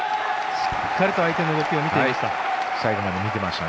しっかりと相手の動きを見ていました。